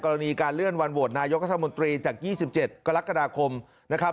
กรณีการเลื่อนวันโหวตนายกรัฐมนตรีจาก๒๗กรกฎาคมนะครับ